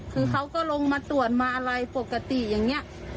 คือเขาก็ลงมาตรวจมาอะไรปกติอย่างนี้